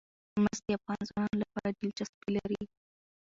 مس د افغان ځوانانو لپاره دلچسپي لري.